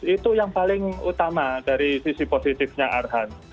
itu yang paling utama dari sisi positifnya arhan